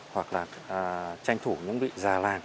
hoặc là tranh thủ những vị già làng